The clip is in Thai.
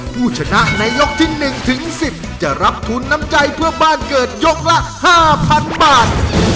ผู้ชนะในยกที่๑ถึง๑๐จะรับทุนน้ำใจเพื่อบ้านเกิดยกละ๕๐๐๐บาท